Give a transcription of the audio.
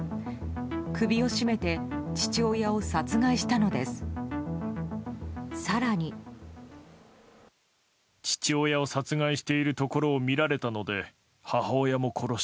首を絞めて父親を殺害したのです。